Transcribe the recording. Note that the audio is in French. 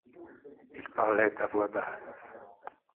Ils parlaient à voix basse.